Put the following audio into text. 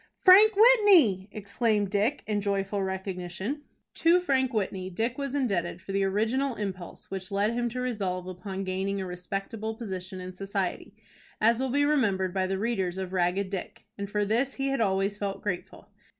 "Frank Whitney!" exclaimed Dick, in joyful recognition. To Frank Whitney Dick was indebted for the original impulse which led him to resolve upon gaining a respectable position in society, as will be remembered by the readers of "Ragged Dick;" and for this he had always felt grateful.